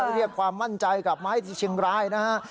เรียกความมั่นใจกลับมาให้ที่เชียงรายนะฮะ